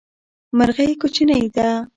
مرغی کوچنی ده